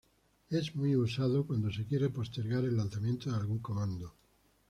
Es muy usado cuando se requiere postergar el lanzamiento de algún comando.